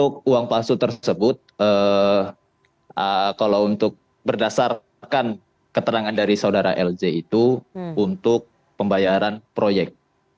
kalau untuk berdasarkan keterangan dari saudara lj itu untuk pembayaran proyek